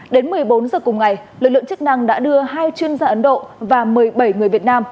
đến một mươi bốn giờ cùng ngày lực lượng chức năng đã đưa hai chuyên gia ấn độ và một mươi bảy người việt nam